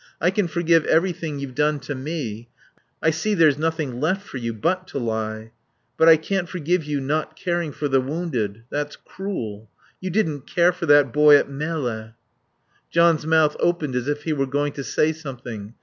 I can forgive everything you've done to me. I can forgive your lying. I see there's nothing left for you but to lie.... But I can't forgive your not caring for the wounded. That's cruel.... You didn't care for that boy at Melle " John's mouth opened as if he were going to say something.